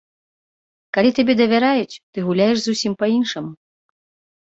Калі табе давяраюць, ты гуляеш зусім па-іншаму.